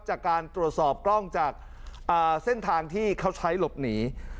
จากการตรวจสอบกล้องจากเส้นทางที่เขาใช้หลบหนี